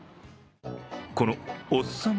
この、おっさん